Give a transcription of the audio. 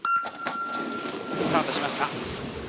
スタートしました。